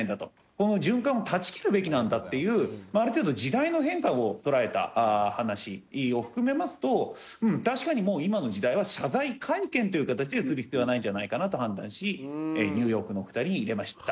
この循環を断ち切るべきなんだっていうある程度時代の変化を捉えた話を含めますとうん確かにもう今の時代は謝罪会見という形でする必要はないんじゃないかなと判断しニューヨークの２人に入れました。